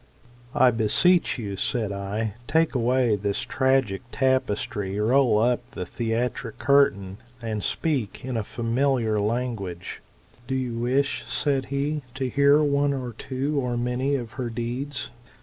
"I beseech you, said I, take away this tragic tapestry, roll up the theatric curtain, and speak in familiar language. Do you wish, said he, to hear one or two, or many of her deeds